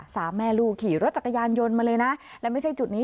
สามแม่ลูกขี่รถจักรยานยนต์มาเลยนะและไม่ใช่จุดนี้